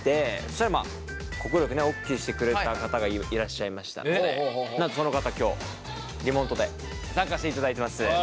そしたら快くオッケーしてくれた方がいらっしゃいましたのでなんとその方今日リモートで参加していただいてます。